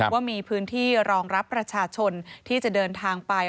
ว่ามีพื้นที่รองรับประชาชนที่จะเดินทางไป